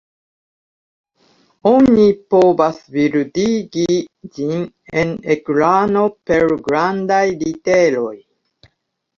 Oni povas bildigi ĝin en ekrano per grandaj literoj.